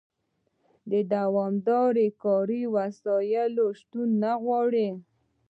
د دوامداره کاري وسایلو شتون نه غواړي.